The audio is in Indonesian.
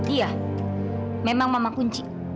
iya memang mama kunci